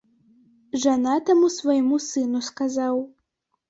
Жанатаму свайму сыну сказаў.